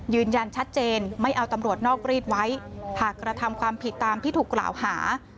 ยืนยันชัดเจนไม่เอาตำรวจนอกรีดไว้หากกระทำความผิดตามที่ถูกกล่าวหา